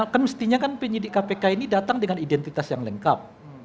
kan mestinya kan penyidik kpk ini datang dengan identitas yang lengkap